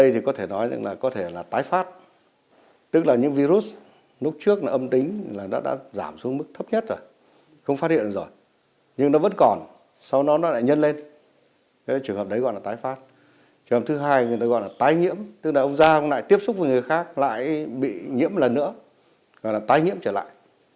trường hợp thứ hai người ta gọi là tái nhiễm tức là ông ra không lại tiếp xúc với người khác lại bị nhiễm một lần nữa gọi là tái nhiễm trở lại